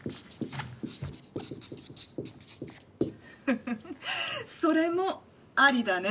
フフフッそれもありだね。